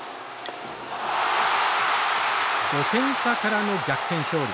５点差からの逆転勝利。